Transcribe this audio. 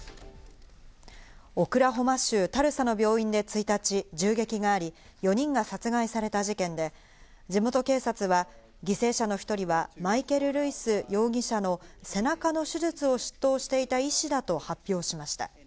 オクラホマ州タルサの病院で１日、銃撃があり、４人が殺害された事件で、地元警察は犠牲者の１人はマイケル・ルイス容疑者の背中の手術を執刀していた医師だと発表しました。